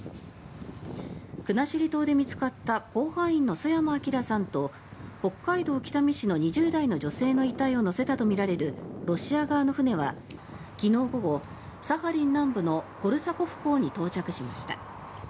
国後島で見つかった甲板員の曽山聖さんと北海道北見市の２０代の女性の遺体を乗せたとみられるロシア側の船は昨日午後サハリン南部のコルサコフ港に到着しました。